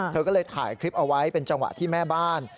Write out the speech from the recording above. เธอก็เลยถ่ายคลิปเอาไว้เป็นจังหวะที่แม่บ้าน